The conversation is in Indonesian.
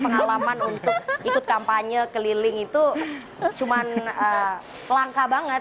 karena pengalaman untuk ikut kampanye keliling itu cuma langka banget